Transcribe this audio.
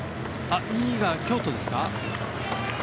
２位が京都ですか。